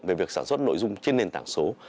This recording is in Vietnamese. về việc sản xuất nội dung trên nền tảng số